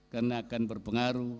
karena akan berpengaruh